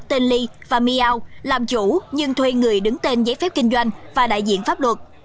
tên ly và miao làm chủ nhưng thuê người đứng tên giấy phép kinh doanh và đại diện pháp luật